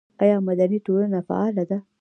آیا مدني ټولنه فعاله ده؟